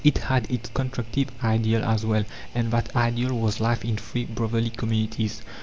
It had its constructive ideal as well, and that ideal was life in free, brotherly communities.